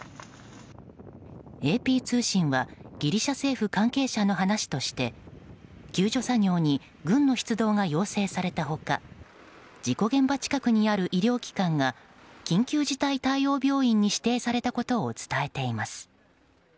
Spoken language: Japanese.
ＡＰ通信はギリシャ政府関係者の話として救助作業に軍の出動が要請された他事故現場近くにある医療機関が緊急事態対応病院に指定されたことを伝えています。